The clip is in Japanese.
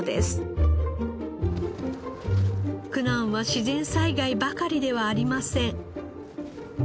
苦難は自然災害ばかりではありません。